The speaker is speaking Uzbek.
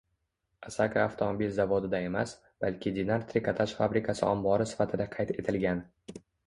Asaka avtomobil zavodida emas, balki Dinar trikotaj fabrikasi ombori sifatida qayd etilgan.